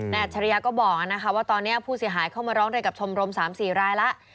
อัจฉริยะก็บอกว่าตอนนี้ผู้เสียหายเข้ามาร้องเรียนกับชมรม๓๔รายแล้ว